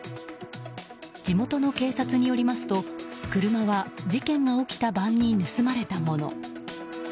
地元の警察によると、車は事件が起きた晩に盗まれたもの。